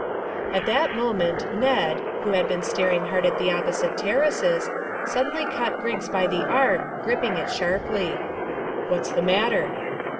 At that moment Ned, who had been staring hard at the opposite terraces, suddenly caught Griggs by the arm, gripping it sharply. "What's the matter?"